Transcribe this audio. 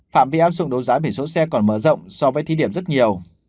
phạm vi áp dụng đấu giá biển số xe còn mở rộng so với thí điểm rất nhiều